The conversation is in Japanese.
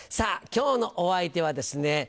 今日のお相手はですね